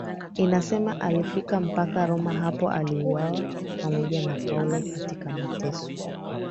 inasema alifika mpaka Roma Hapo aliuawa pamoja na Paulo katika mateso